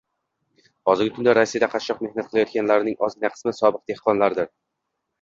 Hozirgi kunda Rossiyada qashshoq mehnat qilayotganlarning ozgina qismi sobiq dehqonlardir